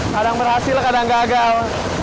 kadang berhasil kadang gagal